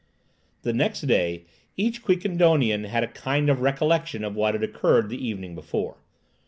The next day each Quiquendonian had a kind of recollection of what had occurred the evening before.